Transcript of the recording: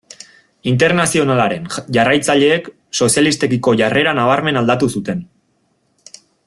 Internazionalaren jarraitzaileek sozialistekiko jarrera nabarmen aldatu zuten.